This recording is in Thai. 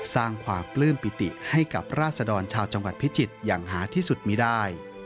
สร้างความปลื้มปิติให้กับราศดรชาวจังหวัดพิจิตรอย่างหาที่สุดมีได้